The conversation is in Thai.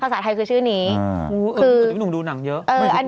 เป็นการกระตุ้นการไหลเวียนของเลือด